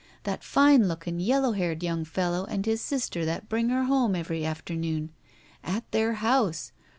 That fine looking yellow haired yomig fellow and his sister that bring her home every afternoon. At their house.